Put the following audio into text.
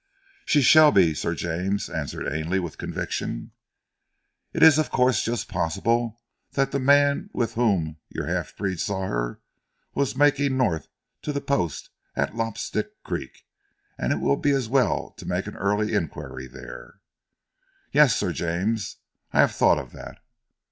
"She shall be, Sir James," answered Ainley with conviction. "It is, of course, just possible that the man with whom your half breed saw her was making north to the post at Lobstick Creek, and it will be as well to make an early inquiry there." "Yes, Sir James, I have thought of that."